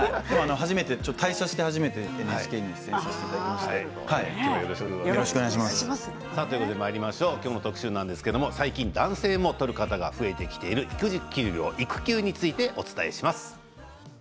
退社して初めてＮＨＫに出演させ今日の特集は最近は男性も取る人が増えてきている育児休業育休についてお伝えします。